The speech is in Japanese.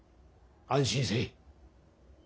安心せい。